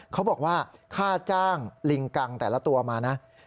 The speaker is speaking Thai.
เขาบอกว่าค่าจ้างลิงกังแต่ละตัวมานะ